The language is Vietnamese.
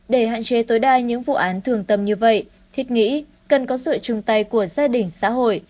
để hạn chế tối đa những vụ án thường tâm như vậy thiết nghĩ cần có sự chung tay của gia đình xã hội